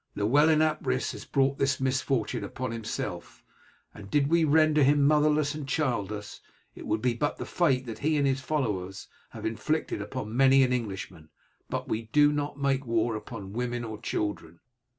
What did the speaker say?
Llewellyn ap Rhys has brought this misfortune upon himself, and did we render him motherless and childless, it would be but the fate that he and his followers have inflicted upon many an Englishman. But we do not make war upon women or children.